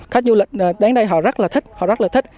khách du lịch đến đây họ rất là thích họ rất là thích